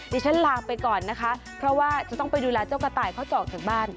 ดิฉันลาไปก่อนนะคะเพราะว่าจะต้องไปดูแลเจ้ากระต่ายเขาจะออกจากบ้าน